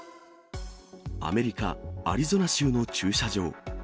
アメリカ・アリゾナ州の駐車場。